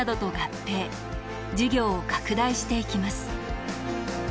事業を拡大していきます。